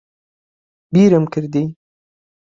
بیرم کردی